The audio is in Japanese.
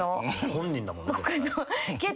本人だもんね。